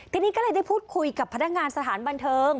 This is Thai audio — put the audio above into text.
ทีนี้ก็เลยได้พูดคุยกับพนักงานสถานบันเทิง